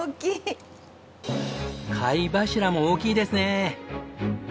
貝柱も大きいですね！